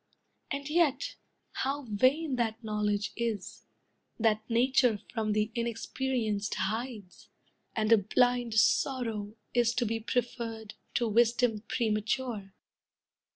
And yet, how vain that knowledge is, That Nature from the inexperienced hides! And a blind sorrow is to be preferred To wisdom premature!"